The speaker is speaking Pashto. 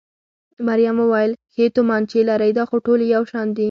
مريم وویل: ښې تومانچې لرئ؟ دا خو ټولې یو شان دي.